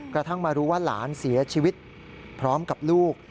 กระทั่งมารู้ว่าหลานเสียชีวิตพร้อมกับลูก